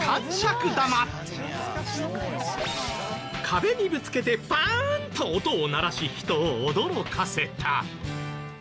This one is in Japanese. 壁にぶつけてパーンと音を鳴らし人を驚かせた。